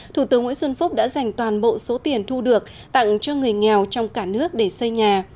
thủ tướng nguyễn xuân phúc đã dành toàn bộ số tiền thu được tặng cho người nghèo trong cả nước để xây nhà